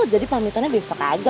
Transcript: jadi pamitannya biar faktiskt aja